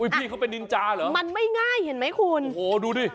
พี่เขาเป็นนินจาเหรอมันไม่ง่ายเห็นไหมคุณโอ้โหดูดิ